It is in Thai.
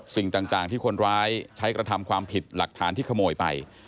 สิ่งต่างที่คนร้ายใช้กระทำความผิดหลักฐานที่ขโมยไป